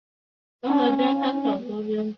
前段背椎后缘的椎管周围有小型环状椎版。